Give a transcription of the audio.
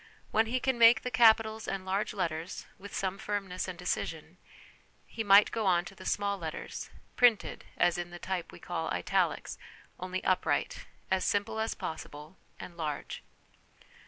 When he can make the capitals and large letters, with some firmness and decision, he might go on to the small letters 'printed' as in the type we call ' italics,' only upright, as simple as possible, and large.